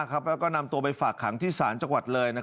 แล้วก็นำตัวไปฝากขังที่ศาลจังหวัดเลย